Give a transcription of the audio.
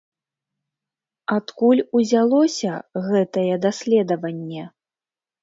Адкуль узялося гэтае даследаванне?